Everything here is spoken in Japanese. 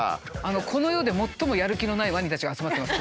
この世で最もやる気のないワニたちが集まってます